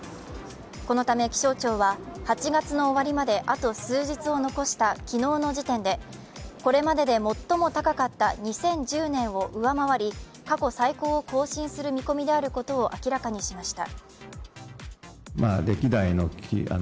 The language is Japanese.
このため気象庁は８月の終わりまであと数日を残した昨日の時点でこれまでで最も高かった２０１０年を上回り、過去最高を更新する見込みであることを明らかにしました。